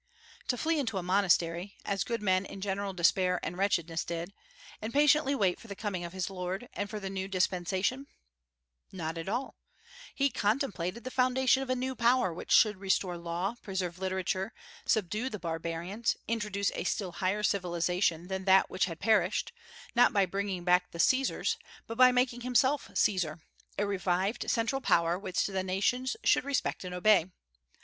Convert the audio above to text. To flee into a monastery, as good men in general despair and wretchedness did, and patiently wait for the coming of his Lord, and for the new dispensation? Not at all: he contemplated the restoration of the eternal city, a new creation which should succeed destruction; the foundation of a new power which should restore law, preserve literature, subdue the barbarians, introduce a still higher civilization than that which had perished, not by bringing back the Caesars, but by making himself Caesar; a revived central power which the nations should respect and obey.